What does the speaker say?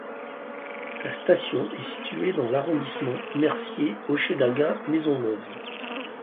La station est située dans l'arrondissement Mercier–Hochelaga-Maisonneuve.